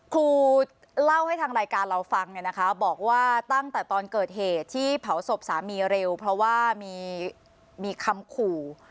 ครูเล่าให้ทางรายการเราฟังเนี่ยนะคะบอกว่าตั้งแต่ตอนเกิดเหตุที่เผาศพสามีเร็วเพราะว่ามีคำขู่